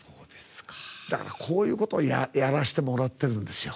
だから、こういうことをやらせてもらってるんです。